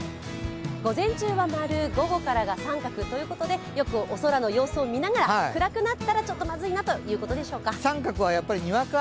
午前中は○、午後からは△ということで、よくお空の様子を見ながら暗くなったら、ちょっとまずいなということでしょうか。